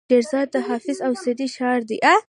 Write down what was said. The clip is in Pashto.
شیراز د حافظ او سعدي ښار دی.